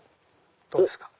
どうですか？